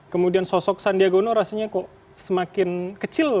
kemudian sosok sandiagono rasanya kok semakin kecil